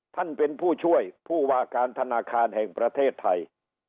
ท่านเป็นผู้ช่วยผู้ว่าการธนาคารแห่งประเทศไทย